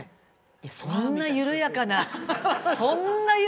いやそんな緩やかな。